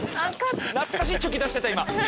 懐かしいチョキ出してた今！